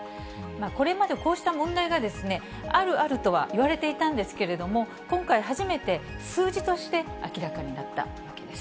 これまでこうした問題があるあるとはいわれていたんですけれども、今回、初めて数字として明らかになったわけです。